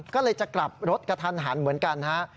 ก็เลยจะกลับรถกระทันหันเหมือนกันฮะ